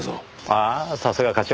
ああさすが課長。